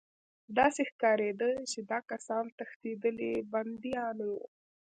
داسې ښکارېده چې دا کسان تښتېدلي بندیان وو